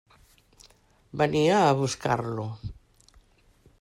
Venia a buscar-lo.